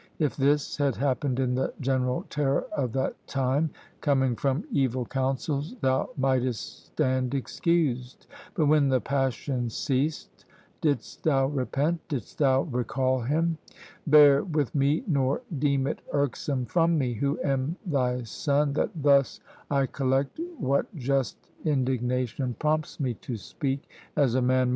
If this had happened in the general terror of that time, coming from evil counsels, thou mightest stand excused; but when the passion ceased, didst thou repent? didst thou recall him? Bear with me, nor deem it irksome from me, who am thy son, that thus I collect what just indignation prompts me to speak, as a man more desirous of witnessing your amendment, than of beholding you punished!